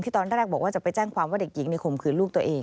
ตอนแรกบอกว่าจะไปแจ้งความว่าเด็กหญิงในข่มขืนลูกตัวเอง